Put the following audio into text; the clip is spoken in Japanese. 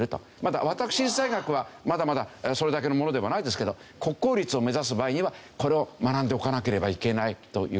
私立大学はまだまだそれだけのものではないですけど国公立を目指す場合にはこれを学んでおかなければいけないという事なんです。